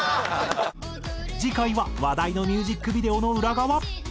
次回は話題のミュージックビデオの裏側。